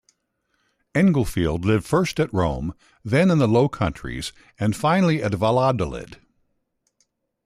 Englefleld lived first at Rome, then in the Low Countries, and finally at Valladolid.